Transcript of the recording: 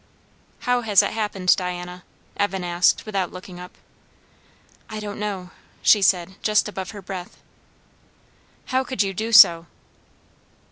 "How has it happened, Diana?" Evan asked without looking up. "I don't know," she said just above her breath. "How could you do so?"